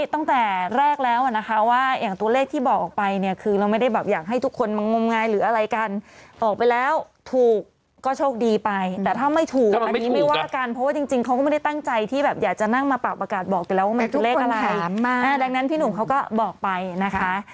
เท่านั้นแล้วดูแลเมื่อก่อนนะครับก็ถูกก็ถือว่าเป็นที่โชคดีแต่ถ้าไม่ถูกอาจจะบอกอย่าว่ากันอาจจะมาไปหาทันมั้ยเนี่ยฮะทันทัน